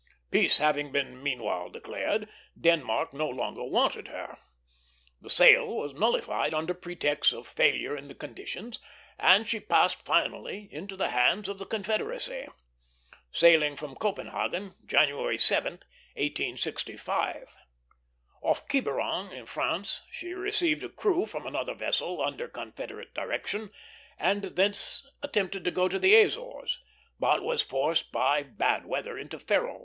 Peace having been meanwhile declared, Denmark no longer wanted her. The sale was nullified under pretext of failure in the conditions, and she passed finally into the hands of the Confederacy, sailing from Copenhagen January 7, 1865. Off Quiberon, in France, she received a crew from another vessel under Confederate direction, and thence attempted to go to the Azores, but was forced by bad weather into Ferrol.